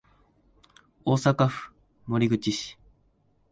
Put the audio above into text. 大阪府守口市